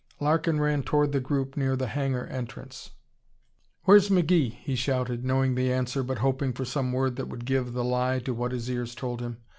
Larkin ran toward the group near the hangar entrance, "Where's McGee?" he shouted, knowing the answer but hoping for some word that would give the lie to what his ears told him.